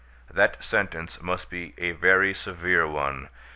That sentence must be a very severe one.